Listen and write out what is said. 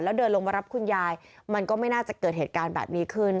แล้วเดินลงมารับคุณยายมันก็ไม่น่าจะเกิดเหตุการณ์แบบนี้ขึ้น